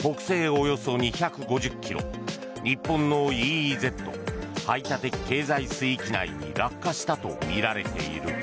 およそ２５０ｋｍ日本のＥＥＺ・排他的経済水域内に落下したとみられている。